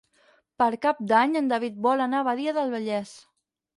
Per Cap d'Any en David vol anar a Badia del Vallès.